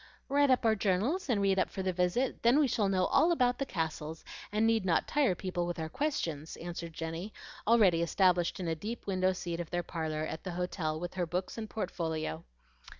"Write our journals and read up for the visit; then we shall know all about the castle, and need not tire people with our questions," answered Jenny, already established in a deep window seat of their parlor at the hotel with her books and portfolio.